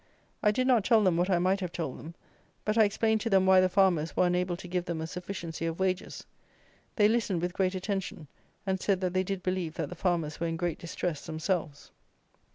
I did not tell them what I might have told them; but I explained to them why the farmers were unable to give them a sufficiency of wages. They listened with great attention; and said that they did believe that the farmers were in great distress themselves.